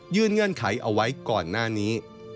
เงื่อนไขเอาไว้ก่อนหน้านี้